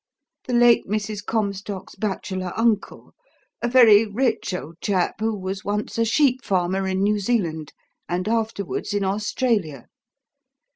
"The late Mrs. Comstock's bachelor uncle a very rich old chap, who was once a sheep farmer in New Zealand, and afterwards in Australia.